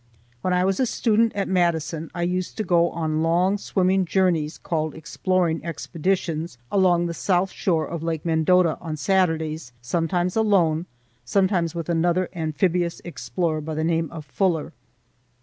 When I was a student at Madison, I used to go on long swimming journeys, called exploring expeditions, along the south shore of Lake Mendota, on Saturdays, sometimes alone, sometimes with another amphibious explorer by the name of Fuller.